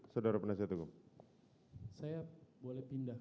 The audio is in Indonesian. sudah selesai pak sudah